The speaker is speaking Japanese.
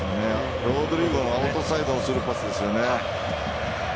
ロドリゴのアウトサイドのスルーパスですよね。